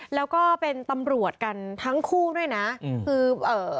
แล้วก็เป็นตำรวจกันทั้งคู่ด้วยนะอืมคือเอ่อ